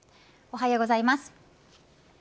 おはようございます。